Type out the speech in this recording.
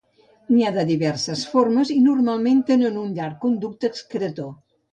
N’hi ha diversos formes i normalment tenen un llarg conducte excretor.